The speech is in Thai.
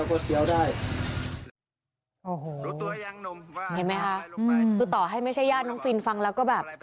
โอ้โหเห็นไหมคะคือต่อให้ไม่ใช่ญาติน้องฟินฟังแล้วก็แบบ